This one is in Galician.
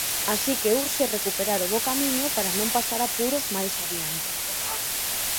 Así que urxe recuperar o bo camiño para non pasar apuros máis adiante.